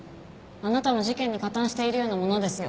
あなたも事件に加担しているようなものですよ。